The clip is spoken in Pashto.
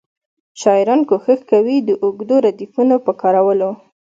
شاعران کوښښ کوي د اوږدو ردیفونو په کارولو.